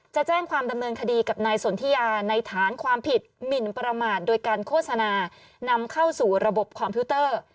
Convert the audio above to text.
จะแจ้งความดำเนินคดีกับนายสนทิยาในฐานความผิดหมินประมาทโดยการโฆษณานำเข้าสู่ระบบคอมพิวเตอร์